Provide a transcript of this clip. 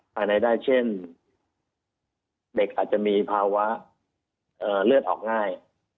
ภายในได้เช่นเด็กอาจจะมีภาวะเลือดออกง่าย